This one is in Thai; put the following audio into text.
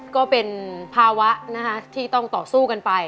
ก็เป็นภาวะนะคะที่ต้องต่อสู้กันไป